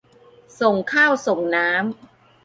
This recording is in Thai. ส่งข้าวส่งน้ำ